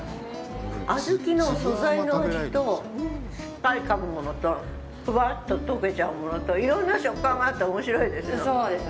小豆の素材の味と、しっかりかむものとふわっと溶けちゃうものといろんな食感があっておもしろいですよ。